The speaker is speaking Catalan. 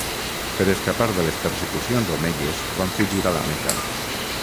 Per escapar de les persecucions omeies van fugir a la Meca.